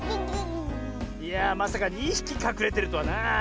いやあまさか２ひきかくれてるとはなあ。